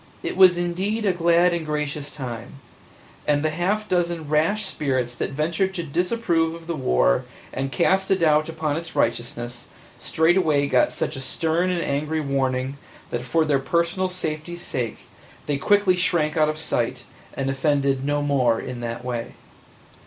It was indeed a glad and gracious time, and the half dozen rash spirits that ventured to disapprove of the war and cast a doubt upon its righteousness straightway got such a stern and angry warning that for their personal safety's sake they quickly shrank out of sight and offended no more in that way.